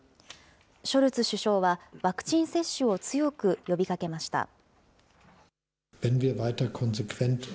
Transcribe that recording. ショルツ首相はワクチン接種を強く呼びかけました。